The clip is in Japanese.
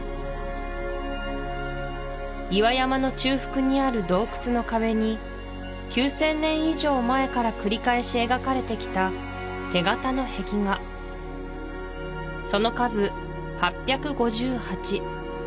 岩山の中腹にある洞窟の壁に９０００年以上前から繰り返し描かれてきた手形の壁画その数８５８